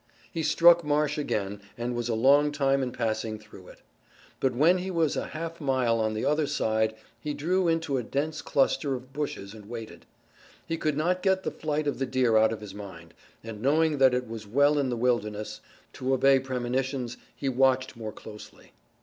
He struck marsh again and was a long time in passing through it. But when he was a half mile on the other side he drew into a dense cluster of bushes and waited. He could not get the flight of the deer out of his mind, and knowing that it was well in the wilderness to obey premonitions he watched more closely.